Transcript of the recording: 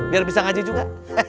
biar bisa ngaji juga